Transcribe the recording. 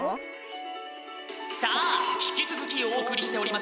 「さあ引き続きお送りしております